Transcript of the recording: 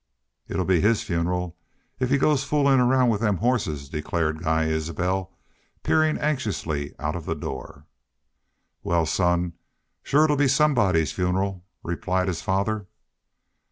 "It 'll be his funeral if he goes to foolin' 'round them hosses," declared Guy Isbel, peering anxiously out of the door. "Wal, son, shore it 'll be somebody's funeral," replied his father.